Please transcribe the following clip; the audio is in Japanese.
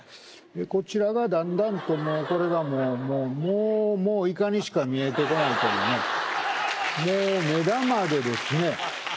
こちらがだんだんともうこれがもうもうもうもうイカにしか見えてこないというねもう目玉でですね